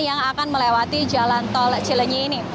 yang akan melewati jalan tol cilenyi ini